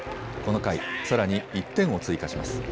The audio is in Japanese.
この回、さらに１点を追加します。